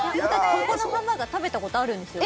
ここのハンバーガー食べたことあるんですよ